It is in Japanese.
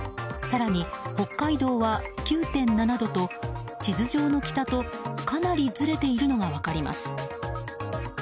更に北海道は９．７度と地図上の北とかなりずれているのが分かります。